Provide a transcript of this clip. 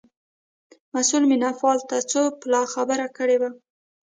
مسئول مینه پال ته څو پلا خبره کړې وه.